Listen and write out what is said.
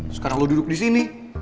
sekarang lo duduk disini